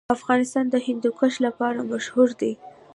افغانستان د هندوکش لپاره مشهور دی.